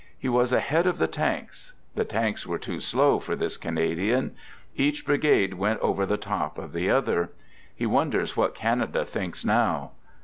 He was ahead of the tanks. The tanks were too slow for this Canadian. Each brigade went over the top of the other. He wonders what Canada thinks now.